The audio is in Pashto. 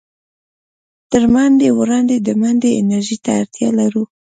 تر منډې وړاندې د منډې انرژۍ ته اړتيا لرو.